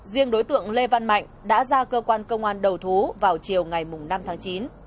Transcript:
riêng đối tượng lê văn mạnh đã ra cơ quan công an đầu thú vào chiều ngày năm tháng chín